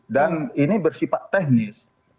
dan ini bersifat teknis